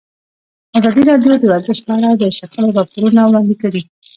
ازادي راډیو د ورزش په اړه د شخړو راپورونه وړاندې کړي.